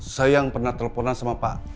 saya yang pernah teleponan sama pak